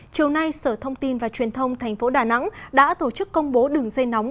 chiều nay sở thông tin và truyền thông tp đà nẵng đã tổ chức công bố đường dây nóng